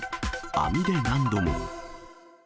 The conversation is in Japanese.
網で何度も。